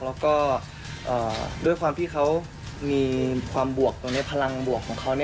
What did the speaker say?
แล้วก็ด้วยความที่เขามีความบวกตรงนี้พลังบวกของเขา